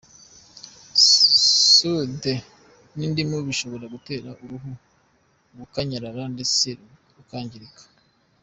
soude n’indimu bishobora gutera uruhu gukanyarara ndetse rukangirika.